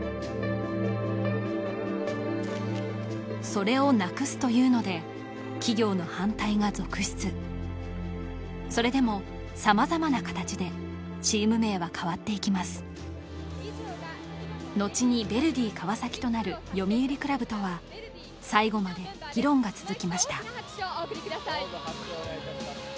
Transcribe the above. それをなくすというので企業の反対が続出それでも様々な形でチーム名は変わっていきます後にヴェルディ川崎となる読売クラブとは最後まで議論が続きました